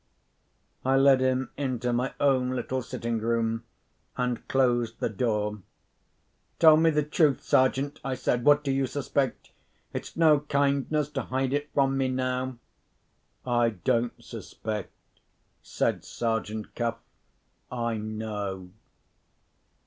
I led him into my own little sitting room, and closed the door. "Tell me the truth, Sergeant," I said. "What do you suspect? It's no kindness to hide it from me now." "I don't suspect," said Sergeant Cuff. "I know."